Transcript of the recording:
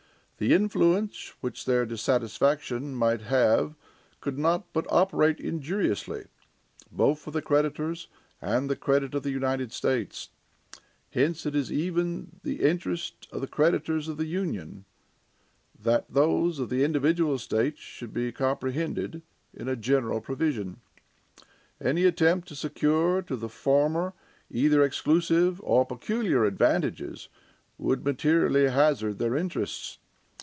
The influence which their dissatisfaction might have could not but operate injuriously, both for the creditors and the credit of the United States. Hence it is even the interest of the creditors of the Union, that those of the individual states should be comprehended in a general provision. Any attempt to secure to the former either exclusive or peculiar advantages would materially hazard their interests.